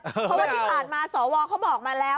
เพราะว่าที่ผ่านมาสวเขาบอกมาแล้ว